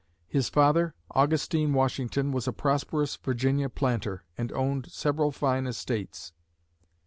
His father, Augustine Washington, was a prosperous Virginia planter, and owned several fine estates.